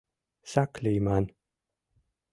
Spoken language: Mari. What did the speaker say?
Сак лийман!